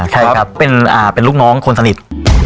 ใช่ครับเป็นลูกน้องคนสนิท